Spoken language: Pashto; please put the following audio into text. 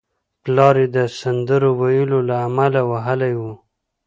پلار یې د سندرو ویلو له امله وهلی و